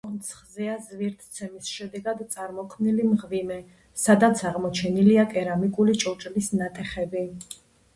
კონცხზეა ზვირთცემის შედეგად წარმოქმნილი მღვიმე, სადაც აღმოჩენილია კერამიკული ჭურჭლის ნატეხები.